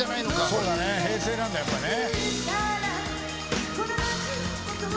そうだね平成なんだやっぱね。